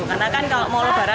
katakan kalau mau lebaran